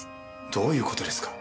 どういう事ですか？